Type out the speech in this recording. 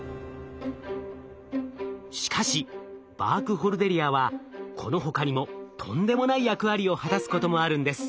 しかしバークホルデリアはこの他にもとんでもない役割を果たすこともあるんです。